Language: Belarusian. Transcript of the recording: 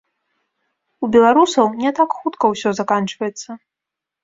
У беларусаў не так хутка ўсё заканчваецца.